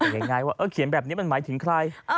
ยังไงว่าเขียนแบบนี้มันหมายถึงใคร